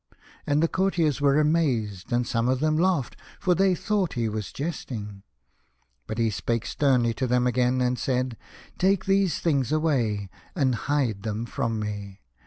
And the courtiers were amazed, and some of them laughed, for they thought that he was jesting. But he spake sternly to them again, and said :" Take these things away, and hide them from me.